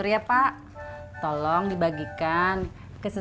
kapitul bapak kejar